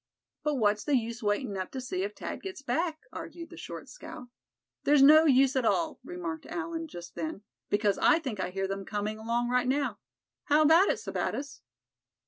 "But what's the use waitin' up to see if Thad gets back?" argued the short scout. "There's no use at all," remarked Allan, just then; "because I think I hear them coming along right now. How about it, Sebattis?"